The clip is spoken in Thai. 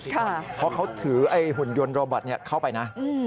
เพราะเขาถือไอ้หุ่นยนต์โรบอตเข้าไปนะ